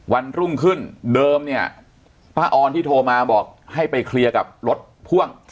วันรุ่งขึ้นเดิมเนี่ยป้าออนที่โทรมาบอกให้ไปเคลียร์กับรถพ่วง